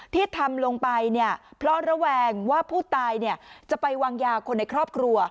ที่ทำลงไปเนี่ยเพราะระแวงว่าผู้ตายจะไปวางยาคนในครอบครัว